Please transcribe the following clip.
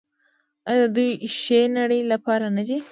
آیا د یوې ښې نړۍ لپاره نه ده؟